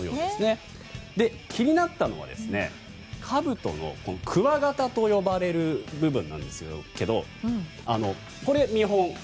そして、気になったのがかぶとのクワガタと呼ばれる部分ですが右、見本。